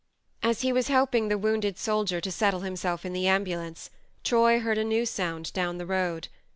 As he was helping the wounded soldier to settle himself in the am bulance, Troy heard a new sound down the road.